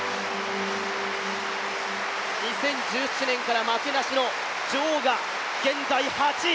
２０１７年から負けなしの女王が現在８位。